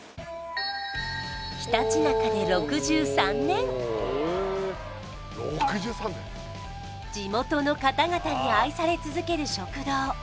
ひたちなかで６３年地元の方々に愛され続ける食堂